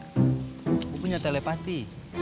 aku punya telepati